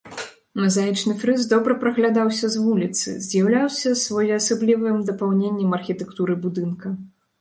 Мазаічны фрыз добра праглядаўся з вуліцы, з'яўляўся своеасаблівым дапаўненнем архітэктуры будынка.